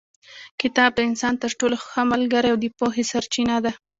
کتاب د انسان تر ټولو ښه ملګری او د پوهې سرچینه ده.